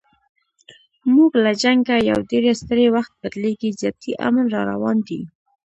موږ له جنګه یو ډېر ستړي، وخت بدلیږي زیاتي امن را روان دی